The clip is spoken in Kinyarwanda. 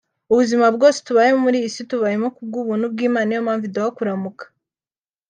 Ubuzima bwose tubamo muri iyi si tububayeho ku bw’ubuntu bw’Imana niyo iduha kuramuka